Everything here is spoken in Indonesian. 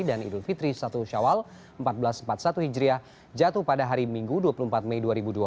dan idul fitri satu syawal seribu empat ratus empat puluh satu hijriah jatuh pada hari minggu dua puluh empat mei dua ribu dua puluh